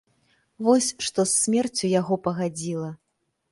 Вось што з смерцю яго пагадзіла!